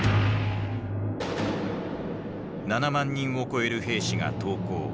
７万人を超える兵士が投降。